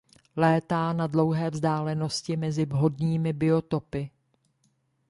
Létá na dlouhé vzdálenosti mezi vhodnými biotopy.